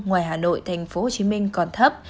ngoài hà nội tp hcm còn thấp